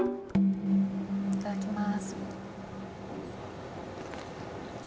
いただきます。